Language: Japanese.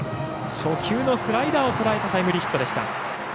初球のスライダーをとらえたタイムリーヒットでした。